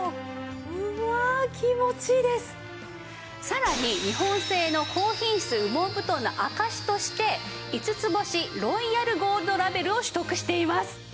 さらに日本製の高品質羽毛布団の証しとして５つ星ロイヤルゴールドラベルを取得しています。